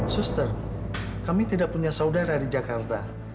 suster kami tidak punya saudara di jakarta